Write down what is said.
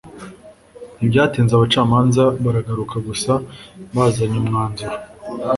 ntibyatinze abacamanza baragaruka gusa bazanye umwanzuro